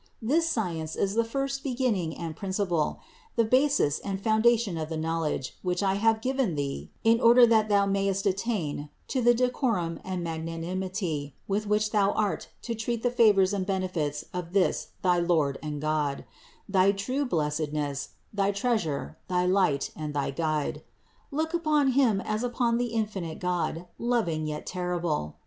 This science is the first beginning and principle, the basis and foundation of the knowledge which I have given thee in order that thou mayest attain to the de corum and magnanimity, with which thou art to treat the favors and benefits of this thy Lord and God, thy true blessedness, thy treasure, thy light and thy Guide. Look upon Him as upon the infinite God, loving, yet terrible.